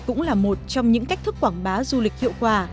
cũng là một trong những cách thức quảng bá du lịch hiệu quả